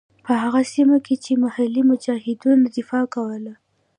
په هغو سیمو کې چې محلي مجاهدینو دفاع کوله.